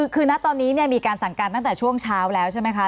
คือณตอนนี้มีการสั่งการตั้งแต่ช่วงเช้าแล้วใช่ไหมคะ